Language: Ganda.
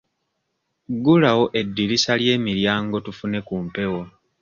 Ggulawo eddirisa ly'emiryango tufune ku mpewo.